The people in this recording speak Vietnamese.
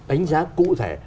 ánh giá cụ thể